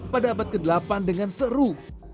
pada abad ke delapan dengan seru